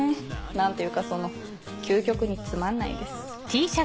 何ていうかその究極につまんないです。